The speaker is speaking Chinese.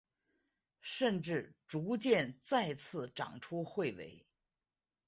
甚至逐渐再次长出彗尾。